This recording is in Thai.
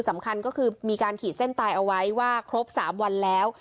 สำคัญก็คือมีการขีดเส้นตายเอาไว้ว่าครบ๓วันแล้ว